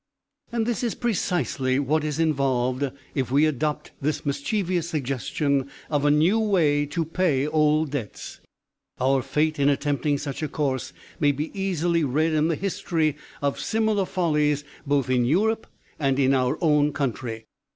And this is precisely what is involved if we adopt this mischievous suggestion of 'a new way to pay old debts.' Our fate in attempting such a course may be easily read in the history of similar follies both in Europe and in our own country.